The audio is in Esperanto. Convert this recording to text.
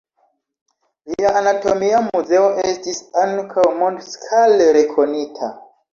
Lia anatomia muzeo estis ankaŭ mondskale rekonita.